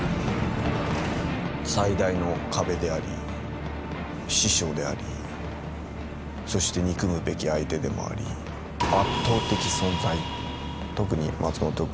最大の壁であり師匠でありそして憎むべき相手でもありそんな印象ですかね。